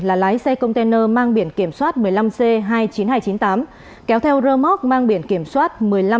là lái xe container mang biệt